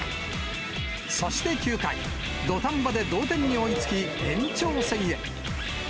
そして９回、土壇場で同点に追いつき、延長戦へ。